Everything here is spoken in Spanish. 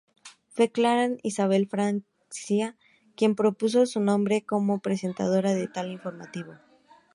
Fue Clara Isabel Francia quien propuso su nombre como presentadora de tal informativo.